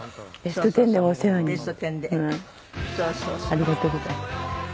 ありがとうございます。